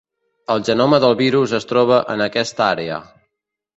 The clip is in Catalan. El genoma del virus es troba en aquesta àrea.